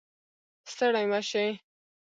ستړی مشې